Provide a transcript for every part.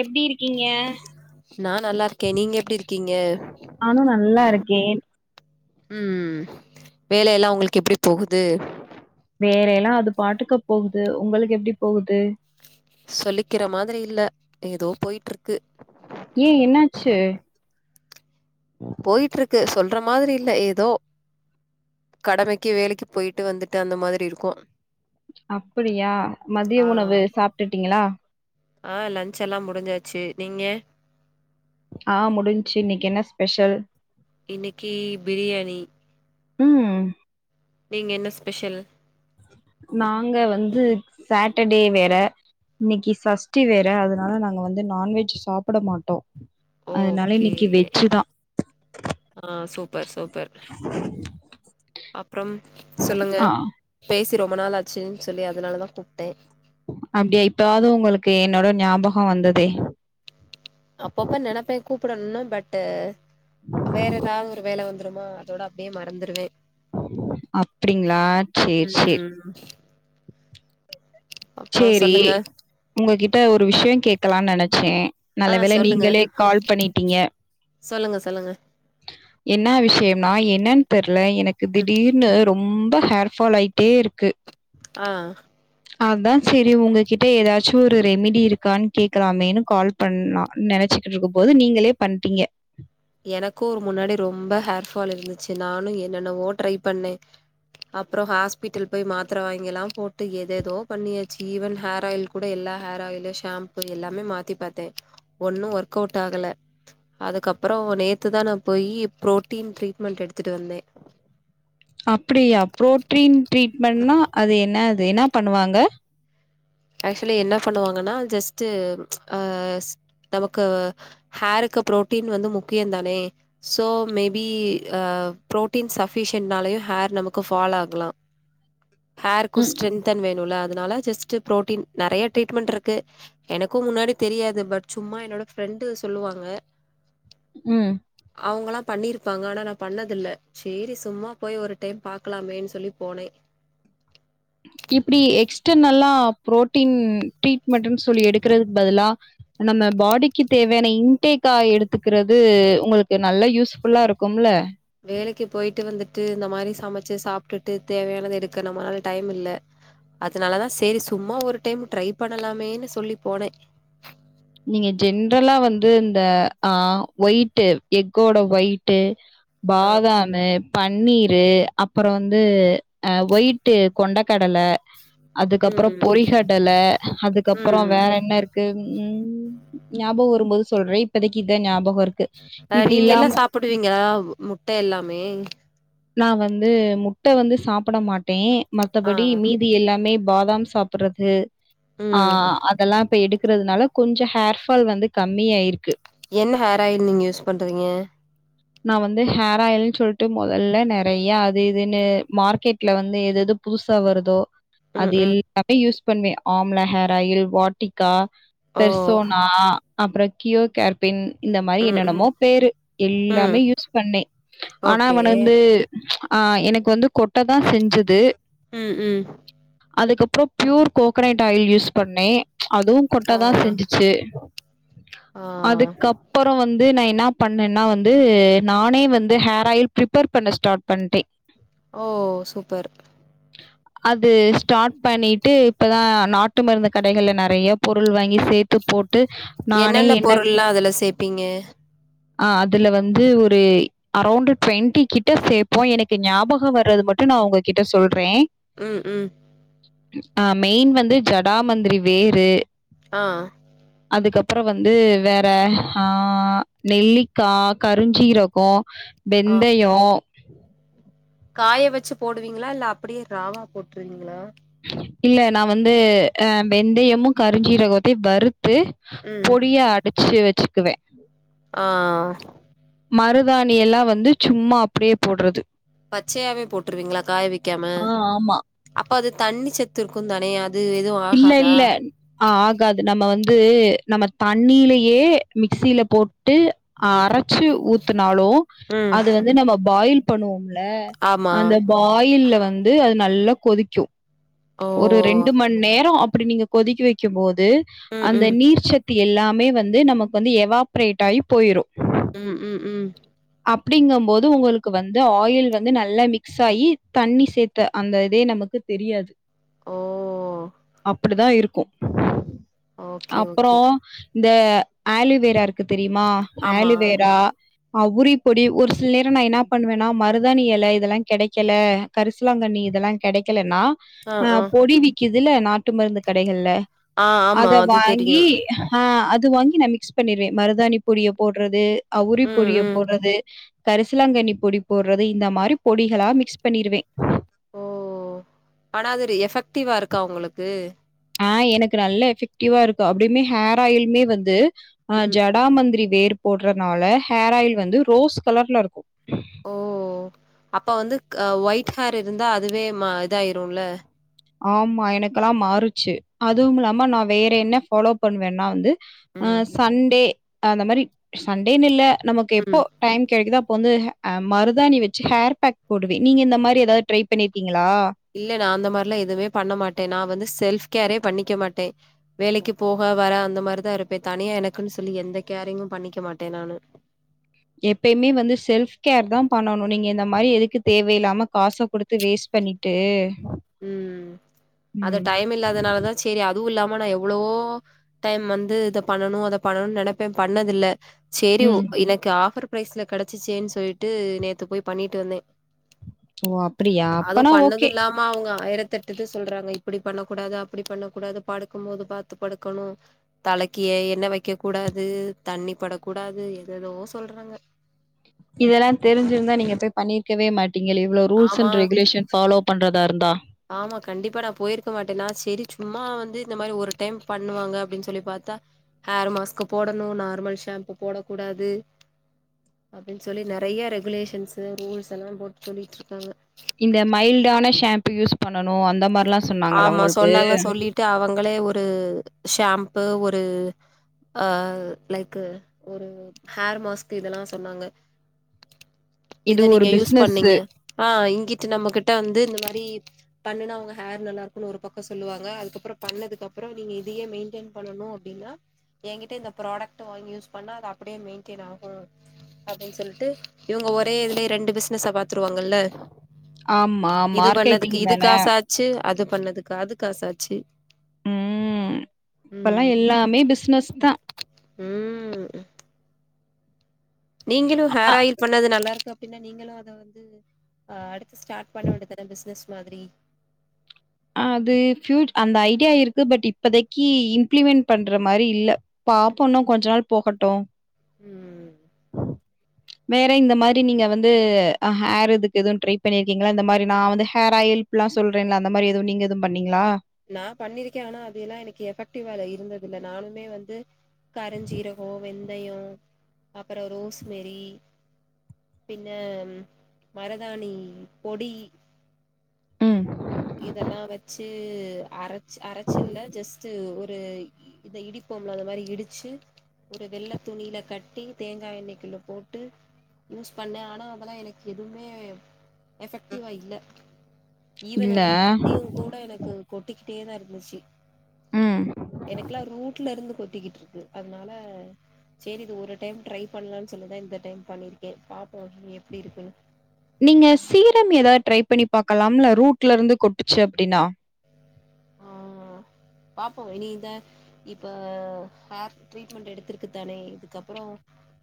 எப்டி இருக்கீங்க நா நல்லா இருக்கே நீங்க எப்டி இருக்கீங்க நானு நல்லா இருக்கேன் ம் வேலயெல்லா உங்குளுக்கு எப்டி போகுது வேல எல்லா அது பாட்டுக்கு போகுது உங்களுக்கு எப்டி போகுது சொல்லிக்கிற மாதிரி இல்ல ஏதோ போய்ட்டுருக்கு ஏ என்னாச்சு போயிட்டுருக்கு சொல்ற மாதிரி இல்ல ஏதோ கடமைக்கு வேலைக்கு போயிட்டு வந்துட்டு அந்த மாதிரி இருக்கு அப்படியா மதிய ஆ உணவு சாப்டுட்டீங்ளா ஆ லன்ச் எல்லா முடிஞ்சாச்சு நீங்க ஆ முடிஞ்ச்சு இன்னைக்கு என்ன ஸ்பெஷல் இன்னிக்கி பிரியாணி ம் நீங்க என்ன ஸ்பெஷல் நாங்க வந்து சாட்டர்டே வேற இன்னிக்கி சஷ்டி வேற அதனால நாங்க வந்து நான்வெஜ் சாப்பட மாட்டோ அதனால ஓகே இன்னைக்கு வெஜ்ஜு தா ஆ சூப்பர் சூப்பர் அப்றம் சொல்லுங்க ஆ பேசி ரொம்ப நாள் ஆச்சுன் சொல்லி அதனாலதா கூப்ட்டே அப்டியா இப்பாவது உங்களுக்கு என்னோட ஞாபகம் வந்ததே அப்பப்ப நெனப்பே கூப்பிடணு பட் வேற எதாவது ஒரு வேல வந்துருமா அதோட அப்டியே மறந்துருவே அப்டிங்ளா சேர் சேர் ம் அப்றோ சேரி சொல்லுங்க ஒங்ககிட்ட ஒரு விஷயோ கேக்கலானு நெனைச்சே ஆ நல்ல வேளை சொல்லுங்க நீங்களே கால் பண்ணிட்டீங்க சொல்லுங்க சொல்லுங்க என்ன விஷயம்னா என்னன்னு தெரியல எனக்கு ம் திடீர்னு ரொம்ப ஹேர்ஃபால் ஆயி ட்டே இருக்கு ஆ அதுதா சரி உங்ககிட்ட ஏதாச்சு ஒரு ரெமிடி இருக்கான் கேட்கலாமேனு கால் பண்ணா நெனச்சே இருக்கும் போது நீங்களே பண்டீங்க எனக்கு ஒரு முன்னாடி ரொம்ப ஹேர் ஃபால் இருந்துச்சு நானு என்னன்னவோ ட்ரை பண்ணே அப்பறோ ஹாஸ்பிட்டல் போய் மாத்திர வாங்கியெல்லா போட்டு எது ஏதோ பண்ணியாச்சு ஈவன் ஹேர் ஆயில் கூட எல்லா ஹேர் ஆயிலு ஷாம்பு எல்லாமே மாத்தி பாத்தே ஒன்னு ஒர்க் அவுட் ஆகல அதுக்கப்பறோ நேத்து தா நா போயி ப்ரோட்டீன் ட்ரீட்மெண்ட் எடுத்துட்டு வந்தே அப்டியா ப்ரோட்டீன் ட்ரீட்மெண்ட்னா அது என்ன அது என்னா பண்ணுவாங்க ஆக்சுவலி என்ன பண்ணுவாங்கன்னா ஜஸ்ட்டு அ நமக்கு ஹேருக்கு பு்ரோட்டீன் வந்து முக்கிய தானே ஸோ மேபி ஆ புரோட்டீன் சஃபிஷியன்ட்னாலயு ஹேர் நமக்கு ஃபாழ் ஆகலா ஹேருக்கு ம், ஸ்ட்ரென்தன் வேணுல அதனால ஜஸ்ட் ப்ரோட்டீன் நெறைய ட்ரீட்மெண்ட் இருக்கு எனக்கு முன்னாடி தெரியாது பட் சும்மா என்னோட ஃப்ரெண்டு சொல்லுவாங்க ம் அவுங்கலா பண்ணிருப்பாங்க ஆனா நா பண்ணதில்ல சேரி சும்மா போய் ஒரு டைம் பாக்கலாமேன்னு சொல்லி போனே இப்டி எக்ஸ்டர்னல்லா புரோட்டீன் ட்ரீட்மெண்ட்ன்னு சொல்லி எடுக்குறதுக்கு பதிலா நம்ம பாடிக்கு தேவையான இன்டேக்கா எடுத்துக்கிறது உங்களுக்கு நல்லா யூஸ்ஃபுல்லா இருக்கும்ல வேலைக்கு போயிட்டு வந்துட்டு இந்த மாரி சமைச்சு சாப்ட்டுட்டு தேவையானது எடுக்க நம்மளனால டைம் இல்ல அதனாலதா சேரி சும்மா ஒரு டைம் ட்ரை பண்ணலாமேன்னு சொல்லி போனே நீங்க ஜென்றலா வந்து இந்த ஆ ஒயிட்டு் எக்கோட ஒயிட்டு ஆ பாதாம் ம் பன்னீரு அப்பறோ வந்து ஆ ஒயிட்டு கொண்ட கடல அதுக்கப்பற ம் பொறிகடல அதுக்கப்பற ம் வேற என்ன இருக்கு ம் ம் ஞாபக வரும்போது சொல்றே இப்பதைக்கி இதுதா ஞாபக இருக்கு இது இல்லாம போடுவீங்களா முட்ட எல்லாமே நா வந்து முட்டை வந்து சாப்புட மாட்டே ஆ மத்தபடி மீ தி எல்லாமே பாதாம் சாப்புறது ஆ ம் அதெல்லா இப்ப எடுக்குறதுனால கொஞ்சோ ஹேர் ஃபால் வந்து கம்மிய ஆயிருக்கு என்ன ஹேர் ஆயில் நீங்க யூஸ் பண்ணுறீங்க நா வந்து ஹேர் ஆயில் சொல்ட்டு மொ தல்ல நெறய அது இதுன்னு மார்க்கெட்ல வந்து எது எது புதுசா வருதோ ம் அது ம் எல்லாமே யூஸ் பண்ணுவே ஆம்லா ஹேர் ஆயில் வாட்டிகா ஓ பெர்சோனா அப்பறோ கியோ கேர் பிண் இந்த மாரி ம் ம் என்னன்னமோ பேரு ம் எலாமே யூஸ் பண்ணே ஆனா ஓகே வந் து ஆ எனக்கு வந்து கொட்ட தா செஞ்சது ம் ம் அதுக்கப்பறோ ப்யூர் கோகனேட் ஆயில் யூஸ் பண்ணே அதுவு ஆ கொட்டதா செஞ்சுச்சு ஆ அதுக்கப் ப்பறோ வந்து நா என்ன பண்ணேன்னா வந்து நானே வந்து ஹேர் ஆயில் ப்ரிப்பேர் பண்ண ஸ்டார்ட் பண்டே ஓ சூப்பர் அது ஸ்டாட் பண்ணிட்டு இப்பதா நாட்டு மருந்து கடைகள்ல நெறய பொருள் வாங்கி சேத் என்னென்ன பொருள்லா அதுல சேப்பீங்க ஆ அதுல வந்து ஒரு அரௌண்டு ட்வெண்டி கிட்ட சேப்போ எனக்கு ஞாபகோ வர்றது மட்டு நா உங்ககிட்ட சொல்றே ம் ம் ஆ மெயின் வந்து ஜடாமந்திரி வேரு ஆ அதுக்கப்பறோ வந்து வேற ஆ நெல்லிக்கா கருஞ்சீரகோ ஆ வெந்தயோ காய வெச்சு போடுவீங்களா இல்ல அப்படியே ராவா போட்ருவீங்களா இல்ல நா வந்து அ வெந்தயமு கருஞ்சீரகத்தயு வறுத்து ம் பொடிய அடிச்சு வெச்சுக்குவே ஆ மருதாணியெல்லா வந்து சும்மா அப்படியே போட்றது பச்சயாவே போட்ருவீங்களா காய வெக்காம ஆ, ஆமா. அப்ப அது தண்ணி செத்துருக்குந்தானே அது எதுவு இல்ல ஆகாதா இல்ல ஆ ஆகாது நம்ம வந்து நம்ம தண்ணிலியே மிக்சில போட்டு ம் அரச்சு ஊத்துனாலு ம் அது வந்து நம்ம பாயில் பண்ணுவோம்ல ஆமா அந்த பாயில்ல வந்து அது நல்லா கொதிக்கு ஓ ஒரு ரெண்டு மண் நேரோ அப்படி நீங்க கொதிக்கி வைக்குமோது ம் அந்த ம் நீர்ச்ச த்து எல்லாமே வந்து நமக்கு வந்து எவாப்ரேட் ஆயி போயிரு ம் ம் ம் அப்டிங்கம் போது உங்களுக்கு வந்து ஆயில் வந்து நல்லா மிக்ஸ் ஆயி தண்ணி சேத்த அந்த இதே நமக்கு தெரியாது ஓ அப்படிதா இருக்கு ஓகே அப்புறோ ஓகே இந்த ஆலிவேரா இருக்கு தெரியுமா ஆமா ஆலிவேரா அ உரிப்பொடி ஒரு சில நேரோ நா என்ன பண்ணுவேணா மருதாணி எல இதெல்லா கெடைக்கல கரிசலாங்கண்ணி இதெல்லா கெடைக்கலன்னா ஆ பொடி விக்கிதுல நாட்டு மருந்து கடைகள்ல ஆ ஆமா அத அது தெரியு வாங்கி ஆ அது வாங்கி நா மிக்ஸ் பண்ணிருவே மருதானி பொடிய போட்றது ம் பொடிய ம் போட்றது கரிசலாங்கண்ணி பொடி போட்றது இந்த மாரி பொடிகளா மிக்ஸ் பண்ணிருவே ஓ ஆனா அது ஒரு எஃபெக்ட்டிவா இருக்கா உங்களுக்கு ஆ எனக்கு நல்ல எஃபெக்டிவா இருக்கு அப்புடியுமே ஹேர் ஆயிலுமே வந்து ஆ ம் ஜ டாமந்திரி வேர் போட்றனால ஹேர் ஆயில் வந்து ரோஸ் கலர்ல இருக்கு ஓ அப்ப வந்து க ஒயிட் ஹேர் இருந்தா அதுவே ம இதாயிருல ஆமா எனக்கெலா மாறுச்சு அதுவுமில்லாம நா வேற என்ன ஃபாலோ பண்ணுவேன்னா வந்து ஆ ம் சண்டே அந்த மாரி சண்டேன்னில்ல நமக்கு ம் எப்போ டைம் கெடைக்குதோ அப்போ வந்து ஹ அ மருதாணி வெச்சு ஹேர் பேக் போடுவே நீங்க இந்த மாரி எதாது ட்ரை பண்ணியிருக்கீங்களா இல்ல நா அந்த மார்லா எதுமே பண்ண மாட்டே நா வந்து செல்ஃப் கேரே பண்ணிக்க மாட்டே வேலைக்கு போக வர அந்த மாரிதா இருப்பே தனியா எனக்குன் சொல்லி எந்த கேரயிமும் பண்ணிக்க மாட்டே நானு எப்பயுமே வந்து செல்ஃப் கேர் தா பண்ணணு நீங்க இந்த மாரி எதுக்கு தேவயில்லாம காச குடு த்து வேஸ்ட் பண்ணிட்டு ம் அத ம். டைம் இல்லாதனாலதா செ செரி அதுவு இல்லாம நா எவ்ளவோ டைம் வந்து இத பண்ணனு அத பண்ணணு நெனைப்பே பண்ணதில்ல சேரி உ ம். எனக்கு ஆஃபர் ப்ரைஸ்ல கெடைச்சிச்சேன்னு சொல்லிட்டு நேத்து போய் பண்ணிட்டு வந்தே ஓ! அப்படியா? அதுவு அப்பனா பண்ணது ஓகே. இல்லா ம அவங்க ஆயிரத்தெட்டு இது சொல்றாங்க இப்டி பண்ணக்கூடாது அப்டி பண்ணக்கூடாது படுக்கும் போது பாத்து படுக்கணு தலைக்கு ஏ எண்ண வைக்க கூடாது தண்ணி பட கூடாது எது எதோ சொல்றாங்க இதெல்லா தெரிஞ்சிருந்தா நீங்க போய் பண்ணிருக்கவே மாட்டீங்களே இவ்ளோ ரூல்ஸ் ஆமா அண்ட் ரெகுலேஷன் ஃபாலோ பண்றதா இருந்தா ஆமா கண்டிப்பா நா போயிருக்க மாட்டே நா சரி சும்மா வந்து இந்த மாரி ஒரு டைம் பண்ணுவாங்க அப்டின் சொல்லி பாத்தா ஹேர் மாஸ்க போடணு நார்மல் ஷாம்பு போடக் கூடாது அப்டின் சொல்லி நறைய ரெகுலேஷன்ஸ் ரூல்ஸ் எல்லா போட்டு சொல்லிட்டு இருக்காங்க இந்த மைல்டான ஷாம்பு யூஸ் பண்ணணு அந்த மாரிலா சொன்னாங்களா உங்களுக்கு ட்டு அவங்களே ஒரு ஷாம்பு ஒரு ஆ லைக்கு ஒரு ஹேர் மாஸ்க்கு இதெல்லா சொன்னாங்க இத இது ஒரு நீங்க யூஸ் பிசினஸ்ஸு. பண்ணீங்க ஆ இங்கிட்டு நம்மகிட்ட வந்து இந்த மாரி பண்ணுனா உங்க ஹேர் நல்லாருக்குன்னு ஒரு பக்க சொல்லுவாங்க அதுக்கப்புறோ பண்ணதுக் அப்புற நீங்க இதையே மெயின்டெயின் பண்ணணு அப்டின்னா எங்கிட்ட இந்த ப்ராடக்ட் வாங்கி யூஸ் பண்ணா அது அப்டியே மெயின்டயன் ஆகு அப்டின் சொல்ட்டு இவங்க ஒரே இதுலயே ரெண்டு பிசினஸ பாத்துருவாங்கல்ல ஆமா மார்க்கெட்டிங் தானே அச்சு அது பண்ணாதுக்கு அதுக்காசாச்சு ம் இப்பல்லா எல்லாமே பிஸ்னஸ் தா ம் நீங்களு ஹேர் ஆயில் பண்ணது நல்லா இருக்கு பின்ன நீங்களு அத வந்து அடுத்து ஸ்டார்ட் பண்ண வேண்டியதான பிசினஸ் மாதிரி அது ஃப்யூ அந்த ஐடியா இருக்கு பட் இப்பதைக்கு இம்ப்ளிமெண்ட் பண்ற மாரி இல்ல பாப்போ இன்னு கொஞ்ச நாள் போகட்டு ம் வேற இந்த மாரி நீங்க வந்து ஹேர் இதுக்கு எது ட்ரை பண்ணியிருக்கீங்களா இந்த மாரி நா வந்து ஹேர் ஆயில் அப்பிலா சொல்றேன்ல்ல அந்த மாரி எது நீங்க எது பண்ணீங்களா நா பண்ணிருக்கே ஆனா அது எல்லா எனக்கு எஃபெக்டிவா இல்ல இருந்தது இல்ல நானுமே வந்து கரஞ்சீரகோ வெந்தயோ அப்பறோ ரோஸ்மெரி பின்ன மருதானி பொடி ம் இதெல்லா வெச்சு அரச் அரச்சுல்ல ஜஸ்ட்டு ஒரு இ இத இடிப்போம்ல அந்த மாரி இடிச்சு ஒரு வெள்ள துணில கட்டி தேங்கா எண்ணெய்குள்ள போட்டு யூஸ் பண்ணே ஆனா அதெல்லா எனக்கு எதுமே எஃபெக்டிவா இல்ல ஈவன் இல்ல. முடியு கூட எனக்கு கொட்டிக்கிட்டே தா இருந்துச்சு ம். எனக்கெலா ரூட்ல இருந்து கொட்டிக்கிட்டு இருக்கு அதுனால சேரி இது ஒரு டைம் ட்ரை பண்லான் சொல்லிதா இந்த டைம் பண்ணிருக்கே பாப்போ எப்டி இருக்குன்னு நீங்க சீரம் ஏதா ட்ரை பண்ணி பாக்கலாம்ல ரூட்ல இருந்து கொட்டுச்சு அப்டின்னா ஆ பாப்போ இனிதா இப்ப ஹேர் ட்ரீட்மெண்ட் எடுத்திருக்கு தானே இதுக்கப்பறோ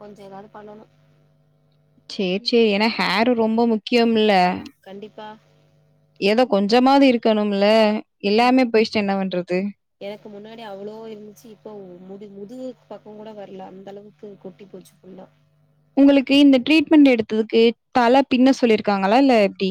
கொஞ்ச ஏதாது பண்ணணு சேர் சே ஏன்னா ஹேரு ரொம்ப முக்கியம்ல கண்டிப்பா ஏதோ கொஞ்சொமாவது இருக்கணும்ல ம் எல்லாமே போயிச்சு என்ன பண்றது எனக்கு முன்னாடி அவ்ளோ இருந்துச்சு இப்ப முது முதுகு பக்கம் கூட வர்ல அந்த அளவுக் கு கொட்டி போச்சு ஃபுல்லா உங்களுக்கு இந்த ட்ரீட்மெண்ட் எடுத்ததுக்கு தல பின்ன சொல்லியிருக்காங்களா இல்ல எப்டி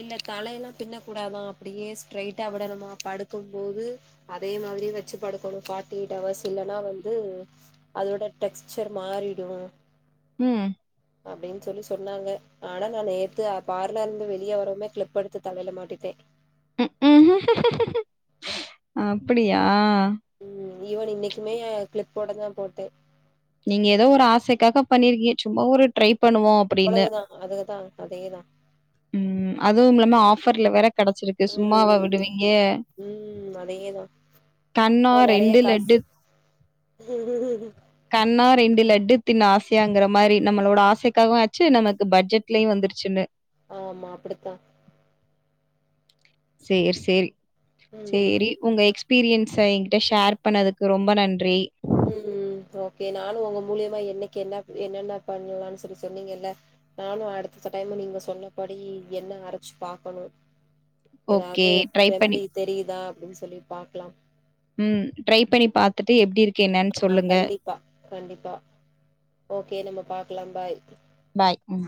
இல்ல தலயெலா பின்ன கூடாதா அப்டியே ஸ்ட்ரைட்டா விடணுமா படுக்கும் போது அதே மாரி வச்சு படுக்கணு ஃபார்ட்டி எயிட் ஹவர்ஸ் இல்லன்னா வந்து அதோட டெக்ஸ்சர் மாறிடு ம். அப்டின் சொல்லி சொன்னாங்க ஆனா நா நேத்தே பார்லர்ந்து வெ வெளிய வரவுமே கிளிப் எடுத்து தலைல மாட்டிப்பே ம் ம் அப்பிடியா ம் ஈவன் இன்னைக்குமே கிளிப் போட தா போட்டே நீங்க ஏதோ ஒரு ஆசைக்காக பண்ணிருக்கீய சும்மா ஒரு ட்ரை பண்ணுவோம் அப்படின்னு. அவ்ளவு தா அதேதா அதேதா ம் அதுவும் இல்லாம ஆஃபர்ல வேற கெடச்சிருக்கு சும்மாவா விடுவீங்க எதோ கண்ணா ரெண்டு லட்டு உம் உம்ம் கண்ணா ரெண்டு லட்டு திண்ண ஆசையாங்கிற மாரி நம்மளோட ஆசைக்காகவும் ஆச்சு நமக்கு பட்ஜெட்லயும் வந்துருச்சுன்னு ஆமா அப்டித்தா சேர் சேரி ம் சேரி உங்க எக்ஸ் பீரியன்ஸ என்கிட்ட ஷேர் பண்ணதுக்கு ரொம்ப நன்றி ம் ஓகே நானு உங்க மூலியமா எண்ணெய்க்கு என்ன என்னன்ன பண்ணலாம் சொல்லி சொன்னீங்கல்ல நானு அடுத்தத்த டைம் நீங்க சொன்னபடி எண்ணெ அரச்சு பாக்கணு ஓகே. எதாவ்து ட்ரை பண்ணி ரெமடி தெரியுதா அப்டின் சொல்லி பாக்கலாம் ம் ட்ரை பண்ணி பா த்துட்டு எப்டி இருக்கு எண்ணெ அ கண்டிப்பா கண்டிப்பா ஓகே நம்ம பாக்கலாம் பாய் பாய் ம்